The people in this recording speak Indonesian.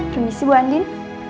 permisi bu andin